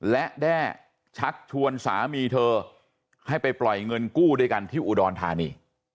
และแด้ชักชวนสามีเธอให้ไปปล่อยเงินกู้ด้วยกันที่อุดรธานี